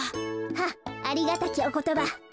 はっありがたきおことば。